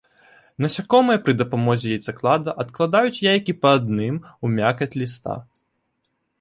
Насякомыя пры дапамозе яйцаклада адкладаюць яйкі па адным у мякаць ліста.